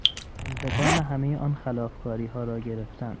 انتقام همهی آن خلافکاریها را گرفتن